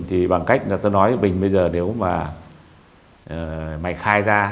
thì bằng cách là tôi nói bình bây giờ nếu mày khai ra